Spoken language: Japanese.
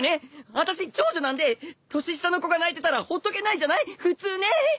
あたし長女なんで年下の子が泣いてたらほっとけないじゃない普通ね！